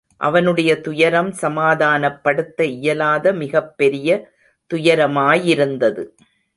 அவனுடைய துயரம் சமாதானப் படுத்த இயலாத மிகப்பெரிய துயரமாயிருந்தது.